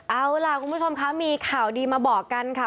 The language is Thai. เอาล่ะคุณผู้ชมคะมีข่าวดีมาบอกกันค่ะ